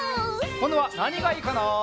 こんどはなにがいいかな？